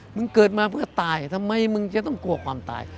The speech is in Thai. มึงเกิดมาเพื่อตายทำไมมึงจะต้องกลัวความตาย